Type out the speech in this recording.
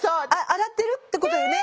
洗ってるってことよね？